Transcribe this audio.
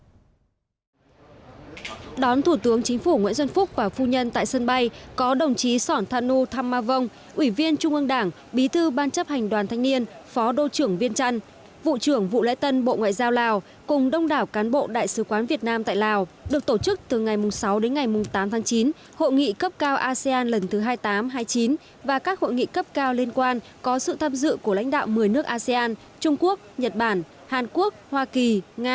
tháp tùng thủ tướng chính phủ nguyễn xuân phúc và phu nhân có phó thủ tướng bộ ngoại giao lê hoài trung đại sứ trưởng phái đoàn việt nam tại asean nguyễn hoài trung đại sứ trưởng phái đoàn việt nam tại asean nguyễn hoành năm và trợ lý thủ tướng chính phủ bộ ngoại giao bình minh bộ trưởng bộ ngoại giao bình minh đại sứ trưởng phái đoàn việt nam tại asean nguyễn hoài trung